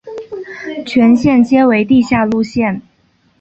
全线皆为地下路线。